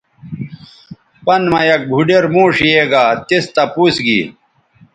پَن مہ یک بُھوڈیر موݜ یے گا تِس تپوس گی